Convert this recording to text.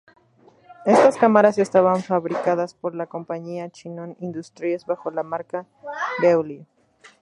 Estas cámaras estaban fabricadas por la compañía Chinon Industries bajo la marca Beaulieu.